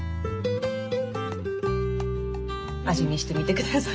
味見してみてください。